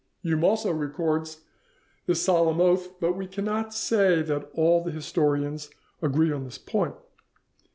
Hume also records this solemn oath, but we cannot say that all the historians agree on this point.